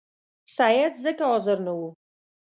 سید ځکه حاضر نه وو.